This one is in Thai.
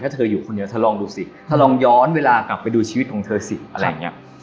ถ้าเธออยู่คนเดียวเธอลองดูสิถ้าลองย้อนเวลากลับไปดูชีวิตของเธอสิอะไรอย่างนี้